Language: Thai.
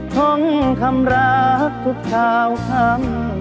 ท่องคำรักทุกเช้าคำ